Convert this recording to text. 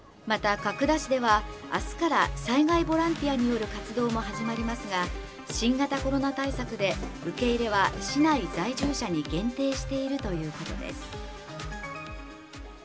また、角田市ではあすから、災害ボランティアによる活動も始まりますが、新型コロナ対策で、受け入れは市内在住者に限定しているということです。